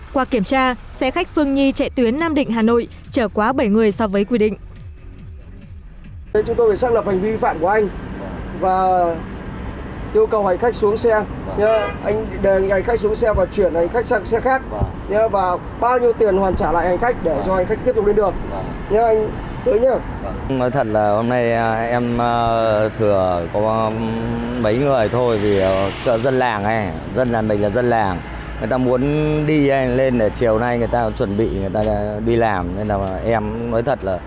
qua kiểm tra xe khách phương nhi chạy tuyến nam định hà nội chở quá bảy người so với quy định